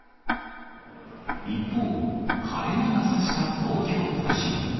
一方、晴れ間がさした東京都心。